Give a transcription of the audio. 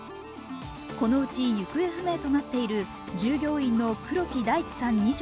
このうち行方不明となっている従業員の黒木大知さん